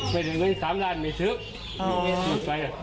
ไม่ได้เงิน๓ล้านไม่ซึก